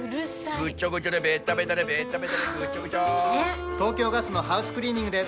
ぐちょ東京ガスのハウスクリーニングです